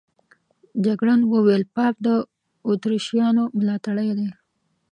جګړن وویل پاپ د اتریشیانو ملاتړی دی.